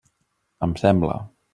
Em sembla.